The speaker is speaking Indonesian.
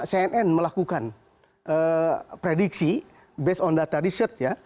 cnn melakukan prediksi based on data research ya